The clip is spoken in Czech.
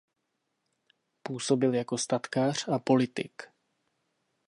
Působil jako statkář a politik.